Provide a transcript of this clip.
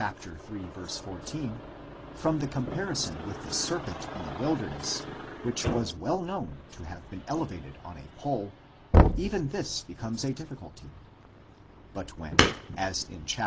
14, from the comparison with the ser pent in the wilderness, which was well known to have been elevated on a pole, even this becomes a difficulty ; but when, as in viii.